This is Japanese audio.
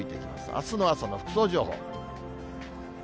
あすの朝の服装情報。